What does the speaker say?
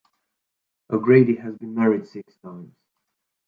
O'Grady has been married six times.